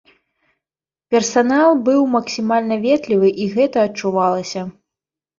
Персанал быў максімальна ветлівы і гэта адчувалася.